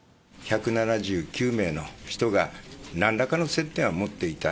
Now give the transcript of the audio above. １７９名の人がなんらかの接点を持っていた。